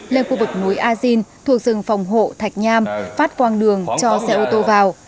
lên khu vực núi azin thuộc rừng phòng hộ thạch nham phát quang đường cho xe ô tô vào